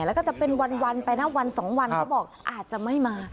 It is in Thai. แล้วก็จะเป็นวันไปนะวัน๒วันเขาบอกอาจจะไม่มา